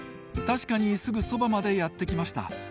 確かにすぐそばまでやって来ました。